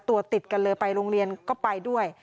ตัวติดกันเลยไปโรงเรียนก็ไปด้วย